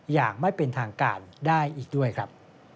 อย่างไม่เป็นทางการได้อีกด้วยครับ